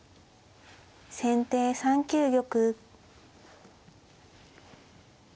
先手３九玉。